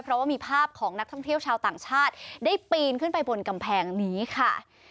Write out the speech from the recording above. เพราะว่ามีภาพของนักท่องเที่ยวชาวต่างชาติได้ปีนขึ้นไปบนกำแพงนี้ค่ะ